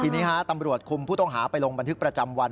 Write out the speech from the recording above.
ทีนี้ตำรวจคุมผู้ต้องหาไปลงบันทึกประจำวัน